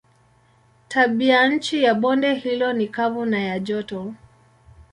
Tabianchi ya bonde hilo ni kavu na ya joto.